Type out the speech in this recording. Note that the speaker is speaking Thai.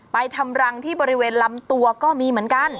ทำรังที่บริเวณลำตัวก็มีเหมือนกัน